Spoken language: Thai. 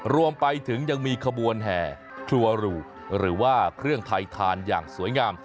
รวมไปถึงยังมีขบวนแห่ครัวหรูหรือว่าเครื่องไทยทานอย่างสวยงาม